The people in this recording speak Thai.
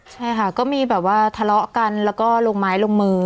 ใช่ค่ะก็มีแบบว่าทะเลาะกันแล้วก็ลงไม้ลงมือ